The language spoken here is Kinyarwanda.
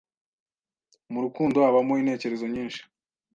Mu rukundo habamo intekerezo nyinshi